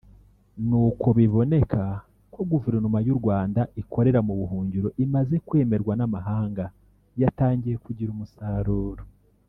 ni uko biboneka ko Guverinoma y’u Rwanda ikorera mu buhungiro imaze kwemerwa n’amahanga yatangiye kugira umusaruro